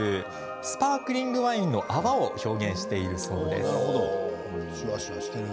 スパークリングワインの泡を表現しているそうです。